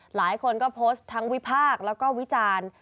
หลายคนก็โพสต์ทั้งวิพากษ์แล้วก็วิจารณ์